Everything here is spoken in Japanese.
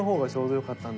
良かった？